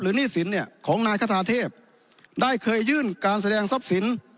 หนี้สินเนี่ยของนายคาทาเทพได้เคยยื่นการแสดงทรัพย์สิน